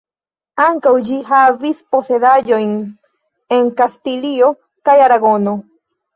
Ankaŭ ĝi havis posedaĵojn en Kastilio kaj Aragono.